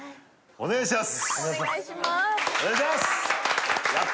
お願いします！